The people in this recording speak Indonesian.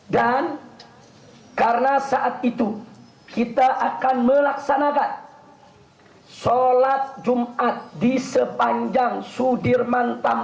dan karena saat itu kita akan melaksanakan sholat jumat di sepanjang sudirman tamrit